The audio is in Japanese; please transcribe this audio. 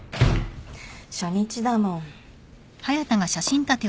初日だもん。